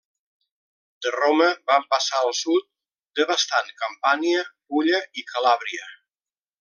De Roma van passar al sud devastant Campània, Pulla i Calàbria.